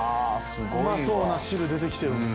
うまそうな汁出て来てる。